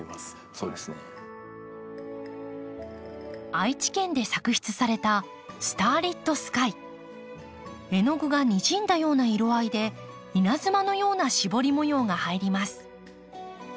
愛知県で作出された絵の具がにじんだような色合いで稲妻のような絞り模様が入ります。